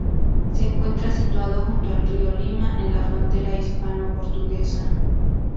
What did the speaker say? Se encuentra situado junto al río Lima en la frontera hispano-portuguesa.